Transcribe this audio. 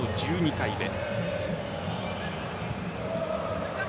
１２回目。